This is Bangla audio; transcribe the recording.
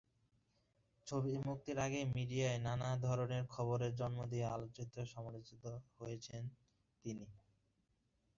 ছবি মুক্তির আগেই মিডিয়ায় নানা ধরনের খবরের জন্ম দিয়ে আলোচিত-সমালোচিত হয়েছেন তিনি।